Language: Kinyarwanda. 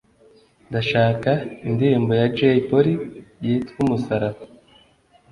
Ndashaka indirimbo ya jay polly yitw umusaraba